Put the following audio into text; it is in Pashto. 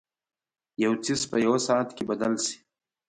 یو څیز په یوه ساعت کې بدل شي.